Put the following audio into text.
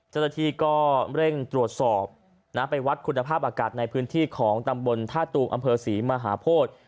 เจ้าหน้าที่ก็เร่งตรวจสอบไปวัดคุณภาพอากาศในพื้นที่ของตำบลท่าตูมอำเภอศรีมหาโพธิ